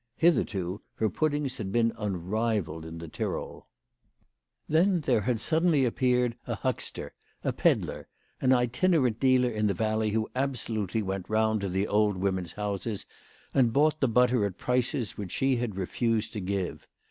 Hitherto her puddings had been unrivalled in the Tyrol. Then there had suddenly appeared a huckster, a 54 WHY FRAU FROHMANN RAISED HER PRICES. pedlar, an itinerant dealer in the valley who absolutely went round to the old women's houses and bought the butter at the prices which she had refused to give.